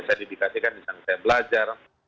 saya didikasikan di sana saya belajar